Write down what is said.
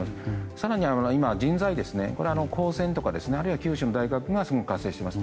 更に人材、高専とかあるいは九州の大学がすごく活性化しています。